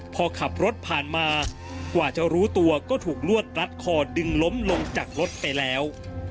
พอขับรถผ่านมากว่าจะรู้ตัวก็ถูกลวดรัดคอดึงล้มลงจากรถไปแล้ว